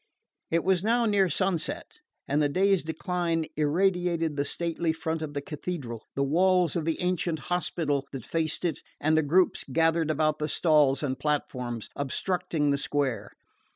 It was now near sunset and the day's decline irradiated the stately front of the Cathedral, the walls of the ancient Hospital that faced it, and the groups gathered about the stalls and platforms obstructing the square.